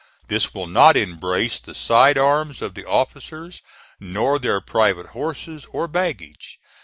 This will not embrace the side arms of the officers, nor their private horses or baggage.